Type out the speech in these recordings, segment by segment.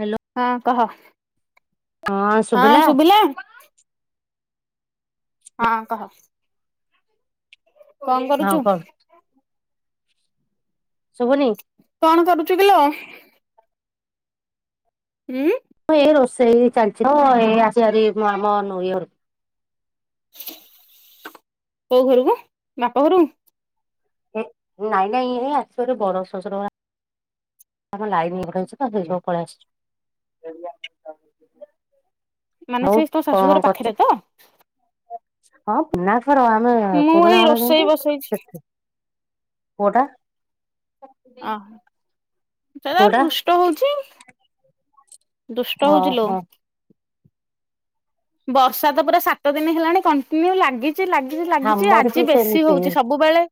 Hello ହଁ କହ। ହଁ ଶୁବିଲା। ହଁ କହ। କଣ ହଁ କରୁଚୁ? କ ଶୁବୁନି। କଣ କରୁଚୁ କିଲୋ? ଉଁ ଏ ଏଇ ରୋଷେଇ ଚାଲଚି ତ ଏଇ ଆଚାରି ମ ମ ମନୁଇ ଘରୁ। କୋଉ ଘରକୁ? ବାପ ଘରୁକୁ। ଏ ନାଇଁ ନାଇଁ, ଏ [unintelligible] ବଡ ଶ୍ୱଶୁର ପରା ତାଙ୍କ ଲାଇନି ଏପଟେ ଅଛି ତ, ସେଇ ଯୋଗୁ ପଳେଇ ଆସିଚୁ। ମାନେ, ସେ ତୋ ଶାଶୁଘର କରୁଛୁ ପାଖେରେ ତ ହଁ ନା, ଘର ଆମେ ମୁଁ ଏଇ ପୁରୁଣା ଘର ରୋଷେଇ ଯେମତି ବସେଇଛି ସେଥି ପୁଅଟା ଓହୋ, ସେ ତାର ପୁଅଟା ଦୁଷ୍ଟ ହଉଛି ଆଉ। ଦୁଷ୍ଟ ହଉଚି ଲୋ। ଓହୋ ବର୍ଷା ତ ପୁରା ସାତ ଦିନି ହେଲାଣି କମ ଏମିତି ଲାଗିଚି ଲାଗିଚି ଲାଗିଚି ଆମର ବି ଆଜି ବେଶୀ ସେମିତି ହଉଚି, ସବୁବେଳେ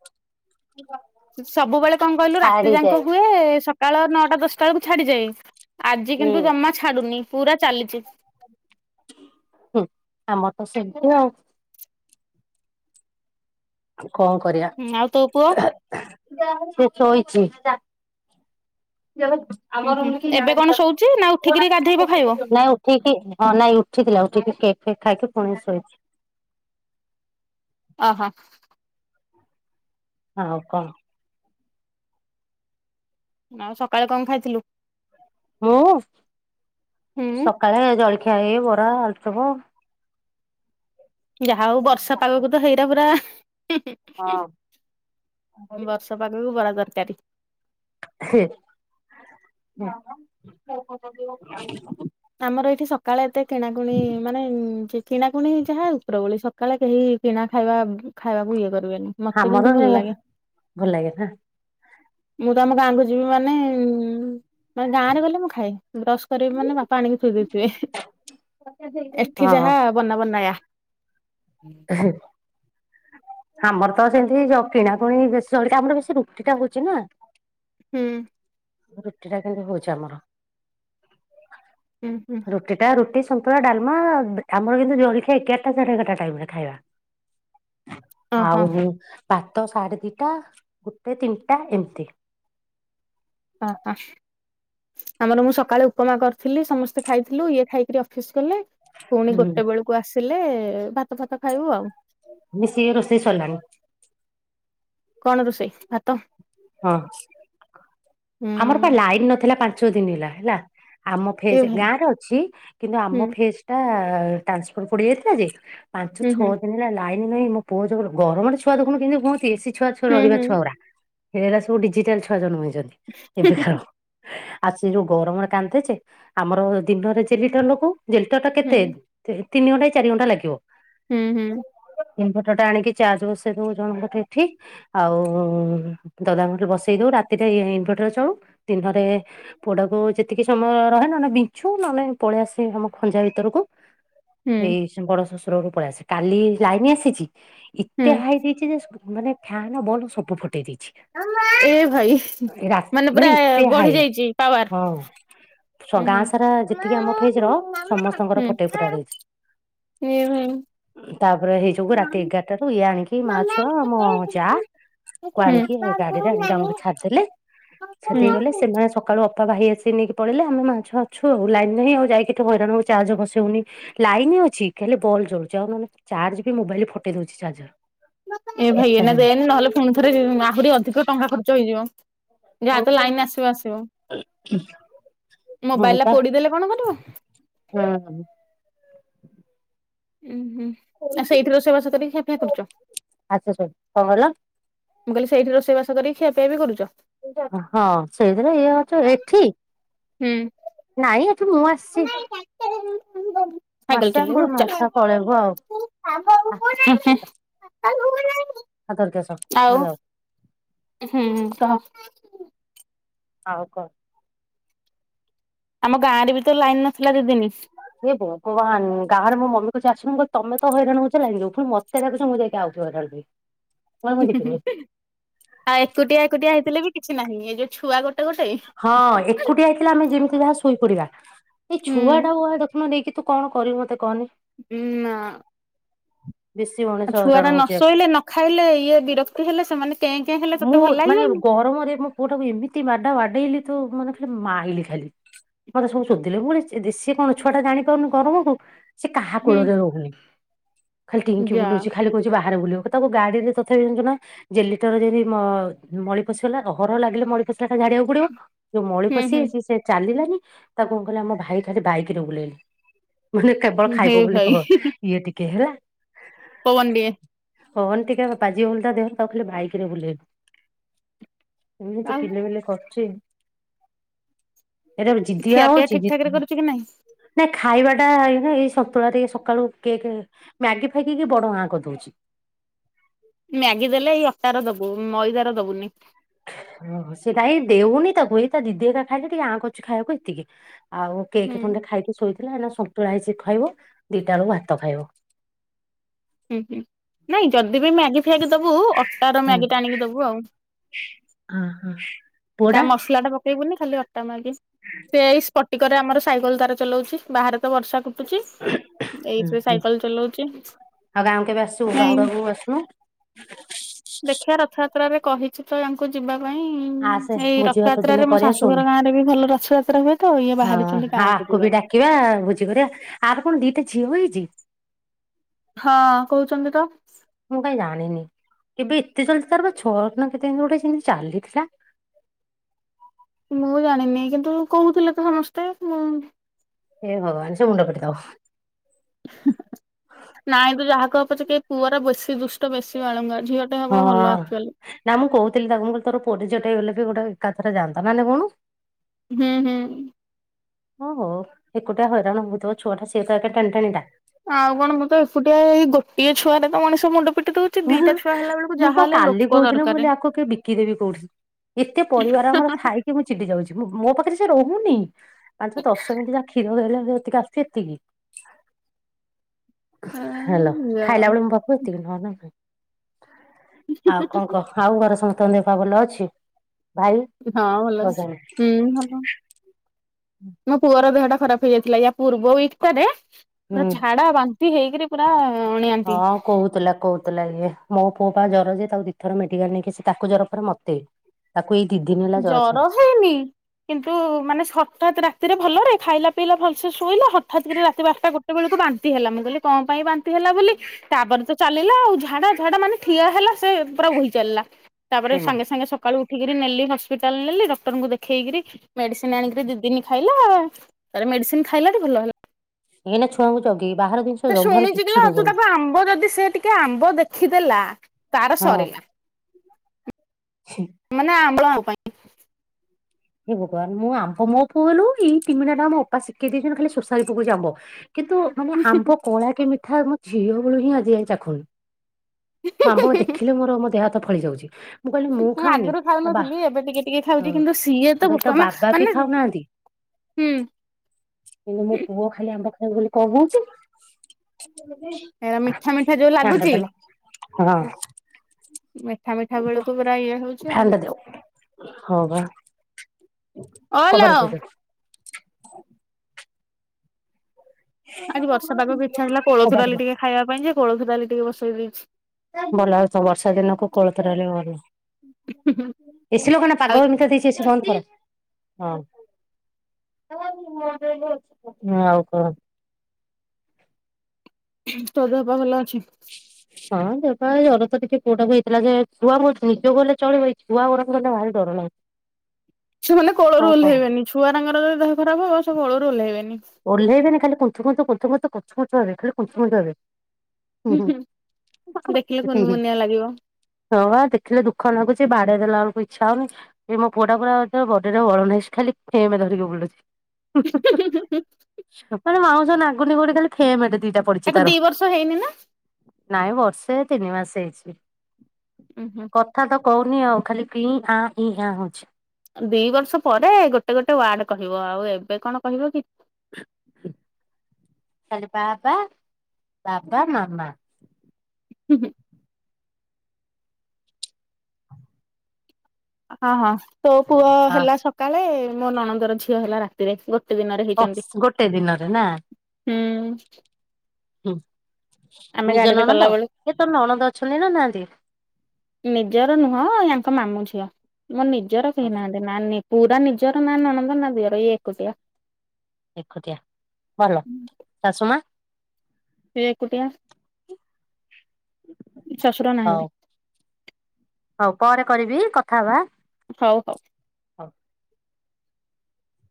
[inaudible] ସବୁବେଳେ କଣ କହିଲୁ ରାତି ଯାଙ୍କ ଛାଡିଯାଏ ହୁଏ, ସକାଳ ନଅଟା ଦଶଟା ବେଳକୁ ଛାଡିଯାଏ। ଆଜି ହୁଁ କିନ୍ତୁ ଜମା ଛାଡୁନି ପୁରା ଚାଲିଚି। ହୁଁ, ଆମର ତ ସେମତି ଆଉ। କଣ କରିବା? ଆଉ ତୋ ପୁଅ? ସିଏ ଶୋଇଚି। ଉୁଁ ଆମ ହୁଁ ରୁମ୍ ରେ କେହି ଏବେ କଣ ନାହାନ୍ତି [inaudible] ଶୋଉଛି ନା ଉଠିକିରି ଗାଧେଇବ ଖାଇବ ଠିକ୍ କି, ନାଇଁ ଉଠିଥିଲା ଉଠିକି କେକ୍ ଫେକ୍ ଖାଇକି ଫୁଣି ଶୋଇଚି। ଅହ। ଆଉ କହ। ଆଉ, ସକାଳେ କଣ ଖାଇଥିଲୁ? ମୁଁ, ହୁଁ ସକାଳେ ଜଳଖିଆ ଏଇ ବରା, ଆଲୁଚପ ଯାହା ହଉ ବର୍ଷା ପାଗକୁ ତ ହେଇରା ପୁରା, ବର୍ଷା ହବାକୁ ବରା ତରକାରୀ ହେ [unintelligible] ଆମର ଏଠି ସକାଳେ ଏତେ କିଣାକୁ, ଣି ମାନେ କିଣାକୁଣି ଯାହା ଉପରଓଳି କାଳେ କେହି କିଣା ଖାଇବା ଖାଇବାକୁ ଇଏ କରିବେନି, ମତେ କିନ୍ତୁ ଆମର ଭଲ ଲାଗେ। ଭଲ ଲାଗେ ନା ମୁଁ ତ ଆମ ଗାଁକୁ ଯିବି ମାନେ, ମାନେ ଗାଁ ରେ ଗଲେ ମୁଁ ଖାଏ- ବ୍ରଶ କରିବି ମାନେ ବାପା ଆଣିକି ଥୋଇ ଦେଇଥିବେ, ଏଠି ହଁ ଯାହା ବନା ବନାୟା ଏହେ ଆମର ତ ସେମିତି ଯ କିଣାକୁଣି ବେଶୀ ଜଳଖିଆ, ଆମର ବେଶୀ ରୁଟି ଟା ହଉଛି ନା ହୁଁ ରୁଟିଟା କିନ୍ତୁ ହଉଚି ଆମର ଉଁ ହୁଁ ରୁଟି ଟା ରୁଟି ସନ୍ତୁଳା ଡାଲମା ଆମର କିନ୍ତୁ ଜଳଖିଆ ଏଗାରଟା ସାଢ଼େ ଏଗାରଟା ଟାଇମରେ ଖାଇବା ଆଉ, ଓହୋ ଭାତ ସାଢେ ଦିଟା ଗୋଟେ ତିନିଟା ଏମିତି ଓ ହଁ- ଆମର ମୁଁ ସକାଳେ ଉପମା କରିଥିଲି, ସମସ୍ତେ ଖାଇଥିଲୁ ଇଏ ଖାଇକିରି ଅଫିସ ଗଲେ- ପୁଣି ହୁଁ ଗୋଟେ ବେଳକୁ ଆସିଲେ, ଭାତ ଫାତ ଖାଇବୁ ଆଉ- ମିଶିକି ରୋଷେଇ ସରିଲାଣି। କଣ ରୋଷେଇ? ଭାତ ହଁ- ଆମର ପା ହୁଁ। ଲାଇନ୍ ନଥିଲା ପାଞ୍ଚ ଦିନି ହେଲା, ହେଲା ଆମ ଏ ଫେଜ ଭାଇ ଗାଁରେ ଅଛି, କିନ୍ତୁ ହୁଁ ଆମ ଫେଜ ଟା ଟ୍ରାନ୍ସଫର ପୋଡି ଯାଇଥିଲା ଯେ ପାଞ୍ଚ ହୁଁ ଛଅ ହୁଁ ଦିନ ହେଲା ଲାଇନ ନାହିଁ ମୋ ପୁଅ ଯର ଗରମ ଛୁଆ ଦେଖୁ କେନ୍ତିହୁଅନ୍ତି ଏସିି ଛୁଆ ଛୁଆ ହୁଁ ରହିବା ହୁଁ ଛୁଆଗୁରା ହେରା ସବୁ ଡିଜିଟାଲ ଛୁଆ ଜନମ ହେଇଛନ୍ତି- ଏବେକାର ଆଉ ସେ ଯୋଉ ଗରମ କାନ୍ଦେଛ ଆମର ଦିନରେ ଜେଲିଟର ଲଗାଉ ଜେନେଟର ଟା ହୁଁ କେତେ ତିନି ଘଣ୍ଟା ଚାରି ଘଣ୍ଟା ଲାଗିବ- ହୁଁ ହୁଁ ଇନଭଟର ଟା ଆଣିକି ଚାଜ ବସେଇ ଦବଉ ଜଣଙ୍କଠ ଏଠି। ଆଉ ଦାଦଙ୍ଗରେ ବସେଇ ଦଉ ରାତିରେ ଇନଭଟର ଚଳୁ ଦିନରେ ପୁଅଟାକୁ ଯେତିକି ସମୟ ରହେ ନ ନେଲେ ବିଛୁ ନହେଲେ ପଳେଇ ଆସେ ଆମ ଖଞ୍ଜା ଭିତରକୁ ହୁଁ ଏଇ ବଡ ଶ୍ୱଶୁର ଘରକୁ ପଳେଇ ଆସେ କାଲି ଲାଇନ ଆସିଛି- ହୁଁ ଏତେ ହାଇ ଦେଇଛି ଯେ ମାନେ ଫ୍ୟାନ ବଲ ସବୁ ଫୁଟେଇ ଦେଇଛି। ମାମା ଏ ଭାଇ ରା ମାନେ ପୁରା ଏତେ ବଢି ହାଇ ଯାଇଛି ହଁ ପାୱାର- ଗାଁ ଉହୁ ସାରା ଯେତିକି ଆମ ଫେଜ ର ମାମା ସମସ୍ତଙ୍କର ହୁ ଫଟେଇ ଫୁଟା ଦେଇଛି ଏ ଭାଇ ତାପରେ ହେଇଯୁ ରାତି ଏଗାରଟାରୁୁ ଇଏ ଆଣିକି ମା ଛୁଆ ମୋ ଯାଆ କ ଆଣିକି ଗାଡିରେ ଆଣିକି ଭାଇ ଆମକୁ ଛାଡିଦେଲେ ଛାଡିଦେଇକି ହୁଁ। ଗଲେ ସେମାନେ ସକାଳୁ ବାପା ଭାଇ ଆସିକ ନେଇକି ପଳେଇଲେ ଆମେ ମା ଛୁଆ ଆଉ ଲାଇନ୍ ନାହିଁ ଆଉ ଯାଇକିଠୁ ହଇରାଣକୁ ଚାଜେ ବସେଇହଉନି। ଲାଇନ ଅଛି ଖାଲି ବଲ ଜଳୁଚଛି ଆଉ ନହେଲେ ଚାର୍ଜ ବି ମୋବାଇଲ ଫଟେଇ ଦଉଛି ଚାର୍ଜର। ଏ ଭାଇ ଏତେ ଏନା ହାଣି ଦେନି ନହେଲେ ପୁଣିଥରେ ଆହୁରି ଅଧିକ ଟଙ୍କା ଖର୍ଚ୍ଚ ହେଇଯିବ। ଯାହା ତ ଲାଇନ ଆସିବ ଆସିବ ମୋବାଇଲ ଟା ପୋଡିଦେଲେ କଣ କରିବ? ହୁଁ- ଉୁଁ ହୁଁ ଆଉ ସେଇଥି ରୋଷେଇ ବସେଇ କରିକ ଖିଆ ପିଆ କରୁଛ। ଆଚଛା ସ କଣ କହିଲ- ମୁଁ କହିଲି ସେଇଠି ରୋଷେଇବାସକରିକି ଖିଆ ପିଆ କରୁଛ। ହଁ ସେଇଦିନ ଇଏ ହଉଚ ଏଠି ହୁଁ। ନାଇଁ ଏଠି ମୁଁ ଆସିଚି। ସାଇକଲ ଚଲେଇବୁ। ପୁଣି ଉଠ ମାଛ ଚାଲ୍। ପଳେଇବୁ ଆଉ ଆ ହକର୍ କେ ଆସ ଭଲ। ହୁଁ ହୁଁ କହ। ଆଉ କହ। ଆମ ଗାଁ ରେ ବି ତ ଲାଇନ୍ ନଥିଲା ଦି ଦିନ। ଏ ଭଗବାନ ଗାଁରେ ମୋ ମମି କହୁଚି ଆସୁନୂ। ମୁ କହିଲି ତମେ ତ ହଇରାଣ ହଉଚ ଲାଇନ୍ ଯୋଗୁଁ ପୁଣି ମୋତେ ଡାକୁଚ ମୁଁ ଯାଇକି ଆଉଥରେ ହଇରାଣ ହୁଁ। ଆଉ ଏକୁଟିଆ ଏକୁଟିଆ ହେଇଥିଲେ ବି କିଛି ନାହିଁ, ଏ ଯୋଉ ଛୁଆ ଗୋଟ ହଁ ଏକୁଟିଆ ହେଇଥିଲେ ଆମେ ଯେମିତି ଯାହା ଶୋଇପଡିବା। ଏଇ ହୁଁ ଛୁଆ ଟା ବା ଦେଖୁନ ନେଇକି ତୁ କଣ କରିବୁ ମତେ କହନି। ହୁଁ ନା। ବେଶୀ ଆଉ ମଣିଷ ଛୁଆ ହଇରାଣ ଟା ନ ହଉଛି ଆଉ। ଶୋଇଲେ ନ ଖାଇଲେ ଇଏ ବିରକ୍ତି ହେଲେ ସେମାନେ କେଁ କେଁ ହେଲେ ତତେ ମୁଁ ଭଲ ମାନେ ଲାଗିବନି। ଗରମରେ ମୋ ପୁଅଟାକୁ ଏମିତି ମାଡା ବାଡେଇଲି ତୁ ମାନେ ଖାଲି ମାଇଲି ଖାଲି। ମତେ ସବୁ ଶୋଧିଲେ। ମୁଁ କହିଲି ସେ ସେ କଣ ଜାଣି ପାରୁନି ଛୁଆଟା ଗରମ କୁ ସେ କାହା ହୁଁ କୂଳରେ ରହୁନି। ଖାଲି ଟିଙ୍କି ଯା ବୁଲଉଚି। ଖାଲି କହୁଚି ବାହାରେ ବୁଲିବ। ତାକୁ ଗାଡିରେ ତଥାପି ଜାଣିଚୁ ନା ଜେଲି ତ ରେ ଯଦି ମ ମଳି ପଶିଲଲା ଘର ଲାଗିଲେ ମଳି ପଶିଲା କ ଝାଡିବାକୁ ପଡିବ। ଯୋଉ ମଳି ହୁଁ ହୁଁ ପଶିଯାଇଚି ସେ ଚାଲିଲାନି। ତାକୁ କଣ କହିଲା ଆମ ଭାଇ ଖାଲି ବାଇକରେ ବୁଲେଇଲା ମାନେ କେବଳ ହେ ଖାଇବ ବୋଲି ଭାଇ କୁହ ଇଏ ଟିକେ ହେଲା। ପବନ ଦିଏ। ପବନ ଟିକେ ବାଜିବ ବୋଲି ତା ଦେହରେ ତାକୁ ଖାଲି ବାଇକ୍ ରେ ବୁଲେଇଲେ। ଏମିତି ଆଉ କିଲି ବିଲି କରୁଚି। ଏରା ବି ଜଦିିବା ଖିଆ ପିଆ ହଉଚି ଠିକ ଠାକ ରେ ଜିତ ଆ କରୁଛୁ କି ନାଇଁ? ନାଇଁ ଖାଇବା ଟା ଏଇ ଏଇ ସନ୍ତୁଳା ଟିକେ ସକାଳୁ କେକ୍ ମ୍ୟାଗି ଫାଗି କୁ ବଡ଼ ଆଁ କରି ଦଉଚି। ମ୍ୟାଗି ଦେଲେ ଏଇ ଅଟାର ଦବୁ ମଇଦା ର ଦବୁନି। ଓ ହୋ ସେଟା ଏଇ ଦେଉନି ତାକୁ ଏଇ ତା ଦିଦି ହରିକା ଖାଇଲେ ଟିକେ ଆଁ କରୁଚି ଖାଇବାକୁ ଏତିକି। ଆଉ କେକ୍ ହୁଁ ଖଣ୍ଡେ ଖାଇକି ଶୋଇଥିଲା। ଏଇନା ସନ୍ତୁଳା ହେଇଚି ଖାଇବ। ଦିଟା ବେଳକୁ ଭାତ ଖାଇବ। ହୁଁ ହୁଁ ନାଇଁ ଯଦି ବି ମ୍ୟାଗି ଫାଗି ଦବୁ ଅଟାର ମ୍ୟାଗି ଟା ଆଣିକି ଦବୁ ଆଉ। ଉ ହୁଁ। ତା ପୁଅଟା ମସଲା ଟା ପକେଇବୁନି। ଖାଲି ଅଟା ମାଗି ସେ ଏଇ ସ୍ପଟିକରେ ଆମର ସାଇକେଲ ତାର ଚଲଉଚି। ବାହାରେ ତ ବର୍ଷା ପକଉଚି। ହୁଁ ଏଇଥିରେ ହୁଁ ସାଇକେଲ ଚଲଉଚି। ଆଉ ଗାଁକୁ କେବେ ଆସିବୁ ନାଇଁ ବାହୁଡାକୁ ଆସୁନୁ ଦେଖିବା ରଥଯାତ୍ରାରେ କହିଚି ତ ଆଙ୍କୁ ଯିବା ପାଇଁ ଆସେ ଏଇ ଭୋଜି ଭାତ ରଥଯାତ୍ରାରେ ଦିନେ ମୋ କରିବା ସୋଲ ଶାଶୁଘର ଗାଁ ରେ ବି ଭଲ ରଥଯାତ୍ରା ହୁଏ ତ ଇଏ ବାହାରିଚନ୍ତି ଗାଁ କୁ ଯିବା ପାଇଁ। ୟେ କରିବା। ଆର କଣ ଦିଟା ଝିଅ ହେଇଚି? ହଁ କହୁଚନ୍ତି ତ। ମୁଁ କାଇଁ ଜାଣିନି। ଏବେ ଏତେ ଜଲଦି ତାର ବା ଛଅର ନା କେତେ ଏମିତି ଗୋଟେ ଏମିତି ଚାଲିଥିଲା। ମୁଁ ଜାଣିନି କିନ୍ତୁ କହୁଥିଲେ ତ ସମସ୍ତେ। ମୁଁ ହେ ଭଗବାନ ସେ ମୁଣ୍ଡ ପିଟିଦବ। ନାଇଁ ତୁ ଯାହା କହ ପଛକେ ପୁଅର ବେଶୀ ଦୁଷ୍ଟ ବେଶୀ ବାଳୁଙ୍ଗା ଝିଅ ହଁ ନା ମୁଁ କହୁଥିଲି ତାକୁ ମୁଁ କହିଲି ତୋର ପୁଅଟେ ଝିଅଟେ ହେଇଗଲେ ବି ଗୋଟେ ଏକାଥରେ ଯାଆନ୍ତା। ନା ନାଇଁ କହୁନୁ? ହୁଁ ହୁଁ। ହୋ ହୋ ଏକୁଟଆ ହଇରାଣ ହଉଥିବ ଛୁଆଟା ସିଏ ତ ଟେଣି ଟେଣିଟା। ଆଉ କଣ ମୁତ ଏକୁଟିଆ ଏଇ ଗୋଟିଏ ଛୁଆ ରେ ତ ମଣିଷ ମୁଣ୍ଡ ପିଟି ଦଉଛ ମୁଁ ବା କାଲି କହୁଥିଲି ମୁଁ ଦରକାରେ। କଇଲି ଆକୁ କେ ବିକିଦେବି କୋଉଠି? ଏତେ ପରିବାର ଆମର ଥାଇକି ମୁଁ ଚିଡ଼ି ଯାଉଛି ମ୍ ମୋ ପାଖରେ ସେ ରହୁନି। ଆଠ ଦଶ ମିନିଟ ଯା କ୍ଷୀର ଦେଲେ ଯେତିକି ଆସୁଛି ଏତିକି। ହଁ ହ୍ୟାଲୋ। ଖାଇଲା ବେଳେ ମୁଁ ପାଖକୁ ଏତିକି ନହଲେ ନାଇଁ। ଆଉ କଣ କହ? ଆଉ ଘରେ ସମସ୍ତଙ୍କ ଦେହ ପାହା ଭଲ ଅଛି? ଭାଇ ହଁ ଭଲ ଅଛି। ଗଲେଣି ହୁଁ ଭଲ। ମୋ ପୁଅର ଦେହ ଟା ଖରାପ ହୋଇଯାଇଥିଲା ୟା ପୂର୍ବ ୱିକ୍ ଟାରେ ପୁରା ହୁଁ। ଝାଡା ବାନ୍ତି ହେଇକିରି ପୁରା ଅଣିଆନ୍ତି। ହଁ କହୁଥିଲା କହୁଥିଲା ଇଏ ମୋ ପୁଅ ପା ଜ୍ଵର ଯେ ତାକୁ ଦିଥର ମେଡ଼ିକାଲ ନେଇକି ସେ ତାକୁ ଜ୍ୱର ପରେ ମୋତେ। ଜ୍ୱର ହେଇନି। କିନ୍ତୁ ମାନେ ସଠାତ୍ ରାତିରେ ଭଲରେ ଖାଇଲା ପିଇଲା ଭଲସେ ଶୋଇଲା ହଠାତ୍ କି ରାତି ବାରଟା ଗୋଟେ ଟେବେଳକୁ ବାନ୍ତି ହେଲା। ମୁଁ କହିଲି କଣ ପାଇଁ ବାନ୍ତି ହେଲା ବୋଲି ତାପରେ ତ ଚାଲିଲା ଆଉ ଝାଡା ଝାଡା ମାନେ ଠିଆ ହେଲା ସେ ପୁରା ବୋହି ଚାଲିଲା। ତାପରେ ଜମା ସାଙ୍ଗେ ସାଙ୍ଗେ ସକାଳୁ ଉଠିକି ନେଲି ହସ୍ପିଟାଲ ନେଲି ଡକ୍ଟରଙ୍କୁ ଦେଖେଇକରି ମେଡିସିନ ଆଣିକି ଦି ଦିନ ଖାଇଲା ତାପରେ ମେଡିସିନ ଖାଇଲା ଟି ଭଲ ହେଲା। ଏଇ ନା ଛୁଆଙ୍କୁ ଜଗି ବାହାର ଜିନି ସେ ଶୁଣିଛି କିଲୋ ନା ତୁ ତାକୁ ଆମ୍ବ ଯଦି ସେ ଟିକେ ଆମ୍ବ ଦେଖିଦେଲା ତାର ହଁ ସରିଲା। ମାନେ ଆମ୍ଳ ପାଇଁ। ଏ ଭଗବାନ ଆମ୍ବ ମୋ ପଅ ନୁହେଁକି ଏଇ [unintelligible] ଶିଖେଇ ଦେଇଛନ୍ତି ଖାଲି ଶୋଷାରୀ ପକଉଛି ଆମ୍ବ। କିନ୍ତୁ ମାନେ ଆମ୍ବ କଳା କି ମିଠା ମୋ ଝିଅ ବେଳୁ ହିଁ ଆଜି ଯାଏ ଚାଖୁନି। ଆମ୍ବ ଦେଖିଲେ ମୋର ମୋ ଦେହ ହାତ ଫଳି ଯାଉଚି। ମୁଁ କହିଲି ମୁଁ ଖାଉନି। ଆଗରୁ ତା ବା ଖାଉନଥିଲି ଏବେ ଟିକେ ଟିକେ ଖାଉଛି ହଁ କିନ୍ତୁ ସିଏ ମୁଁ ତ କଇଲି ତା ବୋପା ମା ବାବା ବି ମାନେ ଖାଉନାହାନ୍ତି। ହୁଁ କିନ୍ତୁ ମୋ ପୁଅ ଖାଇ ଆମ୍ବ ଖାଇବ ବୋଲି କଣ ହଉଚି। ଏରା ମିଠା ମିଠା ଯୋଉ ଲାଗୁଛି [unintelligible] ମିଠା ମିଠା ବେଳକୁ ପୁର ଇଏ ହଉଛି ଆଉ। ହଁବା। ଓଲୋ। ଆଜି ବର୍ଷା ପାଗକୁ ଇଚ୍ଛା ହେଲା କୋଳଥ କବାଟ ଡାଲି ଦିଅ ଟିକେ ଖାଇବା ପାଇଁ ଯେ କୋଳଥ ଡାଲି ଟିକେ ବସେଇ ଦେଇଛି। ଭଲ ହଉଥବ ବର୍ଷା ଦିନକୁ କୋଳଥ ଡାଲି ଭଲ। ଏସି ଲଗାନା ଆଉ ପାଗ ଏମିତିଆ ଦେଇଛି ଏସିି ବନ୍ଦ କର ହଁ। ଆଉ କଣ? ତୋ ଦେହ ପାହା ଭଲ ଅଛି? ହଁ ଦେହ୍ ପାହା ଏଇ ଜର ତ ଟିକେ ପୁଅ ଟାକୁ ହେଇଥିଲା ଯେ, ଛୁଆ ମୋ ନିଜକୁ ଗଲେ ଚଳେଇବି ଛୁଆ ଗୁରାଙ୍କୁ ହେଲେ ଭାରି ଡର ଲାଗେ। ଛୁ ମାନେ କୋଳରୁ ଓଲ୍ହେଇବେନି ଛୁଆରାଙ୍କର ଯଦି ଦେହ ଖରାପ ହବ ସେ କୋଳରୁ ଓହ୍ଲେଇବେନି। ଓଲ୍ହେଇବେନି ଖାଲି କୁଂଥୁ କୁଂଥୁ କୁଂଥୁ କୁଂଥୁ କୁଂଥୁ କୁଂଥୁ କୁଂଥୁ କୁଂଥୁ ଖାଲି କୁଂଥୁ କୁଂଥୁ ହେବେ। ହୁଁ ହୁଁ। ଦେଖିଲେ ହୁଁ କୁନ୍ ହୁଁ ମୁନିଆଲାଗିବ। ହଁ ପା ଦେଖିଲେ ଦୁଖ ନାଗୁଛି ବାଡେଇ ଦେଲା ବେଳକୁ ଇଚ୍ଛା ହଉନି। ଏ ମୋ ପୁଅଟା ପୁରା ବଡ଼ି ରେ ବଳ ନାହିଁ ସେ ଖାଲି ଫେମେ ଧରିକି ବୁଲୁଛି। [unintelligible] ଟୋଟାଲି ମାଉଁସ ନାଗୁନି ଖାଲି ଫେମେଟେ ଦିଟା ପଡିଚି ତାକୁ ଦି ତାର। ବର୍ଷ ହେଇନି ନା ନାଇଁ ବର୍ଷେ ତିନି ମାସ ହେଇଛିି। ଉୁଁ ହୁଁ। କଥା ତ କହୁନି ଆଉ ଖାଲି ଙ୍କି ଆଁ ଇଂ ଗାଁ। ହଉଛି।। ଦି ବର୍ଷ ପରେ ଗୋଟେ ଗୋଟେ ୱାର୍ଡ କହିବ ଆଉ ଏବେ କଣ କହିବ କି? ଖାଲି ବା ବା ବାବା ମାମା। ହୁଁ ହୁଁ। ହଁ ହଁ ତୋ ପୁଅ ହଁ ହେଲା ସକାଳେ ମୋ ନଣନ୍ଦର ଝିଅ ହେଲା ରାତିରେ ଗୋ ଟେ ଦିନରେ ଅ ହେଇଚନ୍ତି। ଗୋଟେ ଦିନରେ ନା। ହୁଁଉଁ। ହୁଁ ନିଜ ଗାଡିରେ ନଣନ୍ଦ? ଗଲାବେଳେ ଏ ତୋ ନଣନ୍ଦ ଅଛନ୍ତି ନା ନାଆନ୍ତି? ନିଜର ନୁହଁ ୟାଙ୍କ ମାମୁଁ ଝିଅ ମୋ ନିଜର କେହି ନାହାନ୍ତି। ଏ ନାନି ପୁରା ନିଜର ନା ନଣନ୍ଦ ନା ଦିଅର ଇଏ ଏକୁଟିଆ। ଏକୁଟିଆ ଭଲ। ଶାଶୁ ମା, ସିଏ ଏକୁଟିଆ। ଶଶୁର ହଉ ନାହାନ୍ତି। ହଉ ପରେ କରିବି କଥା ହବା। ହଉ ହଉ।